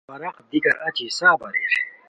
ورق دیکار اچی حساب اریر